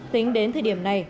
tính đến thời điểm này